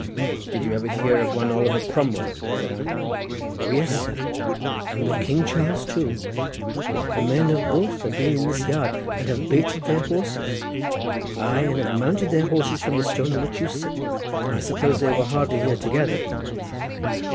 "Did you ever hear of one Oliver Cromwell?" said I. "O yes, sir, and of King Charles too. The men of both have been in this yard and have baited their horses; aye, and have mounted their horses from the stone on which you sit." "I suppose they were hardly here together?" said I.